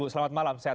selamat malam bu nadia